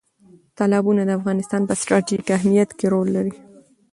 تالابونه د افغانستان په ستراتیژیک اهمیت کې رول لري.